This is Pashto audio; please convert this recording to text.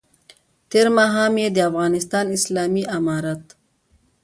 تېر ماښام یې د افغانستان اسلامي امارت